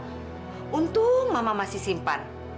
untung mama masih simpan